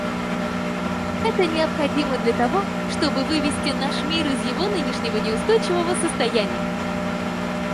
Это необходимо для того, чтобы вывести наш мир из его нынешнего неустойчивого состояния.